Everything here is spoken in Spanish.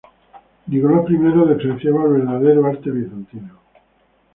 Nicolás I despreciaba el verdadero arte bizantino.